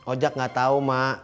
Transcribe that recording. ojak gak tau ma